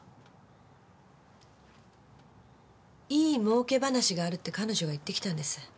いい儲け話があるって彼女が言ってきたんです。